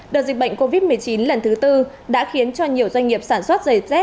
đợt dịch bệnh covid một mươi chín lần thứ tư đã khiến cho nhiều doanh nghiệp sản xuất giày dép